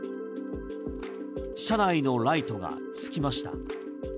車内のライトがつきました